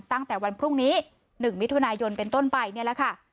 ตั้งแต่วันพรุ่งนี้๑มิถุนายนเป็นต้นไปนี่แหละค่ะ